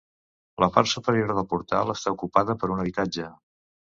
La part superior del portal està ocupada per un habitatge.